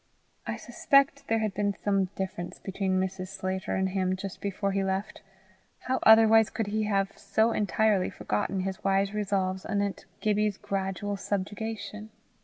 I suspect there had been some difference between Mrs. Sclater and him just before he left: how otherwise could he have so entirely forgotten his wise resolves anent Gibbie's gradual subjugation?